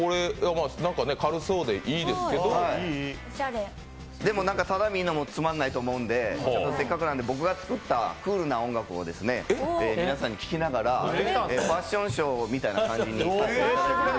なんか軽そうでいいんですけどもでもただ見るのもつまんないと思うんで僕が作ったクールな音楽を皆さんに聴きながらファッションショーみたいな感じで。